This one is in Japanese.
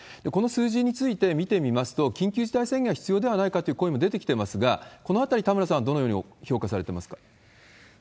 この数字について見てみますと、緊急事態宣言は必要ではないかという声も出てきてますが、このあたり、田村さんはどのように評価されていますか？